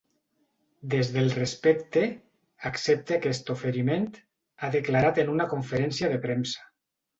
Des del respecte, accepte aquest oferiment, ha declarat en una conferència de premsa.